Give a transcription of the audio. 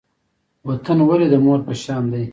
وطن ولې د مور په شان دی؟